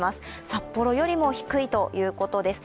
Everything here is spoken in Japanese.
札幌よりも低いということです。